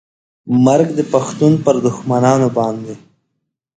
مرګ د پښتون پر دښمنانو باندې